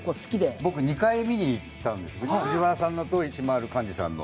僕２回見にいったんです、藤原さんのと石丸幹二さんのと。